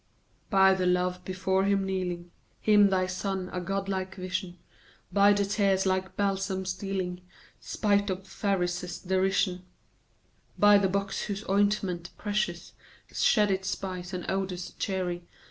By the love before him kneeling, — Him, Thy Son, a godlike vision; By the tears like balsam stealing, Spite of Pharisees' derision ; By the box, whose ointment precious Shed its spice and odors cheery; 256 FAUST.